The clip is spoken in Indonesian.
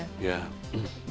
itu awalnya gimana